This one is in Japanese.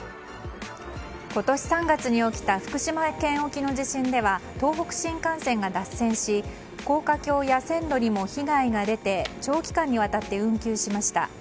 今年３月に起きた福島県沖の地震では東北新幹線が脱線し高架橋や線路にも被害が出て長期間にわたって運休しました。